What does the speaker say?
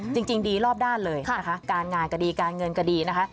จริงดีรอบด้านเลยนะคะการงานก็ดีการเงินก็ดีนะคะ